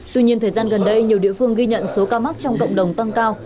tuy nhiên thời gian gần đây nhiều địa phương ghi nhận số ca mắc trong cộng đồng tăng cao